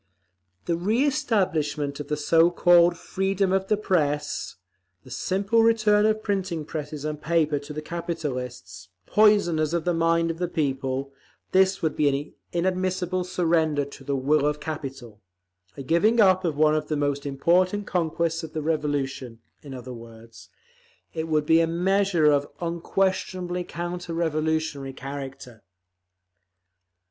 The reëstablishment of the so called "freedom of the press," the simple return of printing presses and paper to the capitalists,—poisoners of the mind of the people—this would be an inadmissible surrender to the will of capital, a giving up of one of the most important conquests of the Revolution; in other words, it would be a measure of unquestionably counter revolutionary character.